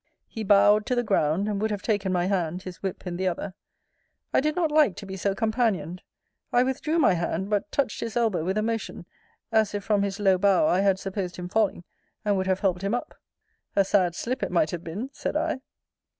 He bowed to the ground, and would have taken my hand, his whip in the other. I did not like to be so companioned: I withdrew my hand, but touched his elbow with a motion, as if from his low bow I had supposed him falling, and would have helped him up A sad slip, it might have been! said I.